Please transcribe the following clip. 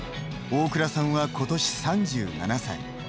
大倉さんは、ことし３７歳。